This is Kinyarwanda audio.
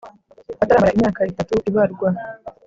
ataramara imyaka itatu ibarwa